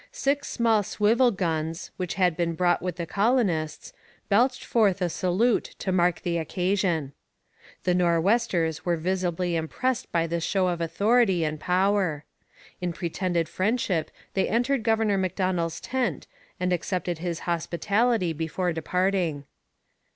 Six small swivel guns, which had been brought with the colonists, belched forth a salute to mark the occasion. The Nor'westers were visibly impressed by this show of authority and power. In pretended friendship they entered Governor Macdonell's tent and accepted his hospitality before departing.